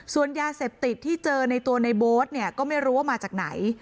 ส่วนยาเสพติดที่เจอในตัวในโบ๊ทเนี่ยก็ไม่รู้ว่ามาจากไหน